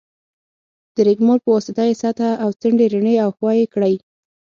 د رېګمال په واسطه یې سطحه او څنډې رڼې او ښوي کړئ.